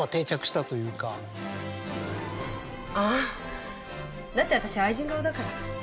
あぁだって私愛人顔だから。